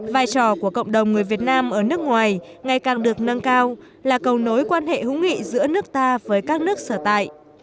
vai trò của cộng đồng người việt nam ở nước ngoài ngày càng được nâng cao là cầu nối quan hệ hữu nghị giữa nước ta với các nước sở tại